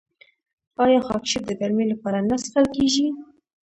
آیا خاکشیر د ګرمۍ لپاره نه څښل کیږي؟